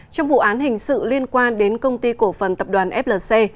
trong vụ án hình sự liên quan đến công ty cổ phần tập đoàn flc